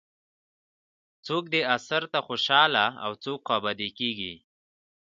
څوک دې اثر ته خوشاله او څوک خوابدي کېږي.